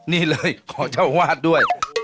นี่เลยขอเจ้าวาดด้วย